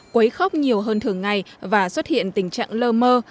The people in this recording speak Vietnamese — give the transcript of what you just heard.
quấy khóc nhiều hơn thường ngày và xuất hiện tình trạng lơ mơ